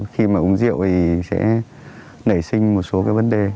khi mà uống rượu thì sẽ nảy sinh một số cái vấn đề